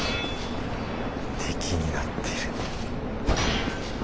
敵になってる。